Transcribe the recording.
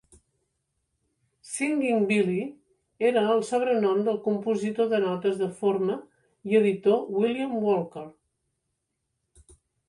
"Singin' Billy" era el sobrenom del compositor de notes de forma i editor William Walker.